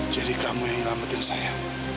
jadi kamu yang ngelamatin saya